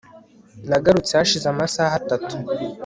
nagarutse hashize amasaha atatu